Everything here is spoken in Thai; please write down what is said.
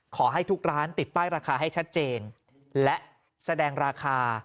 ขอให้ทุกร้านติดป้ายราคาให้ชัดเจนและแสดงราคา